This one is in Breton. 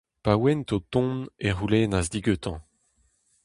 Pa oant o tont, e c'houlennas digantañ :